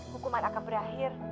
hukuman akan berakhir